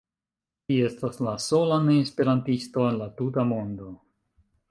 Vi estas la sola neesperantisto en la tuta mondo.